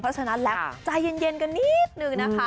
เพราะฉะนั้นแล้วใจเย็นกันนิดนึงนะคะ